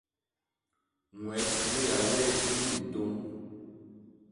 Ñwet le Yahwéh nu mintôñ.